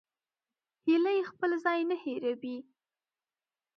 هیلۍ خپل ځای نه هېروي